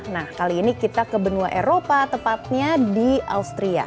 nah kali ini kita ke benua eropa tepatnya di austria